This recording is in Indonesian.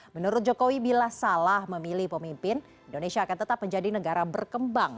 menurut jokowi bila salah memilih pemimpin indonesia akan tetap menjadi negara berkembang